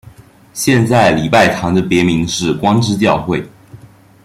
现在礼拜堂的别名是光之教会。